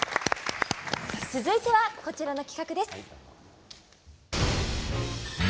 続いては、こちらの企画です。